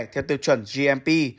theo tiêu chuẩn gmp